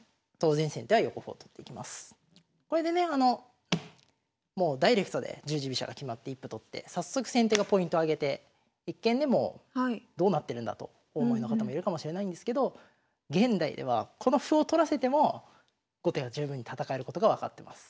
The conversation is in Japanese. これでねもうダイレクトで十字飛車が決まって１歩取って早速先手がポイント挙げて一見ねもうどうなってるんだとお思いの方もいるかもしれないんですけど現代ではこの歩を取らせても後手が十分に戦えることが分かってます。